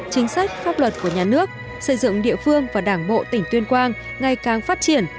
chính sách pháp luật của nhà nước xây dựng địa phương và đảng bộ tỉnh tuyên quang ngày càng phát triển